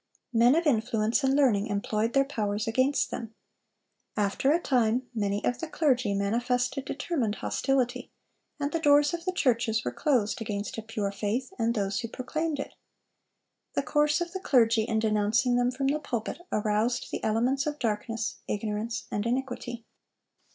Men of influence and learning employed their powers against them. After a time many of the clergy manifested determined hostility, and the doors of the churches were closed against a pure faith and those who proclaimed it. The course of the clergy in denouncing them from the pulpit, aroused the elements of darkness, ignorance, and iniquity.